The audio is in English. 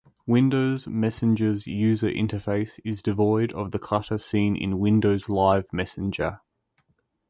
Windows Messenger's user interface is devoid of the clutter seen in Windows Live Messenger.